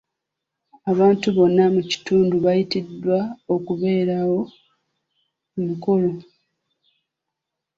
Abantu bonna mu kitundu baayitiddwa okubeerawo ku mukolo.